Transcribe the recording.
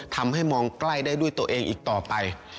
ทำให้มองใกล้ได้ด้วยตัวเองอีกต่อไป